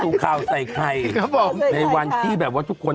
นะครับใส่ใครครับในวันที่แบบว่าทุกคน